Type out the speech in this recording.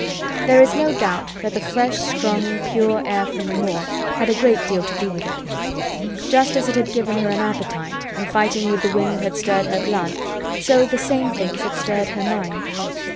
There is no doubt that the fresh, strong, pure air from the moor had a great deal to do with it. Just as it had given her an appetite, and fighting with the wind had stirred her blood, so the same things had stirred her mind.